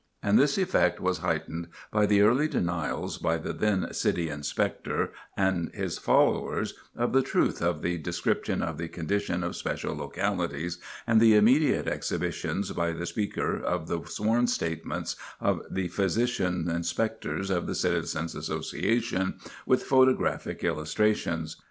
And this effect was heightened by the early denials by the then City Inspector and his followers of the truth of the description of the condition of special localities, and the immediate exhibitions by the speaker of the sworn statements of the Physician Inspectors of the Citizens' Association, with photographic illustrations.